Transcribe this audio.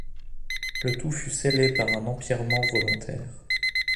Le tout fut scellé par un empierrement volontaire.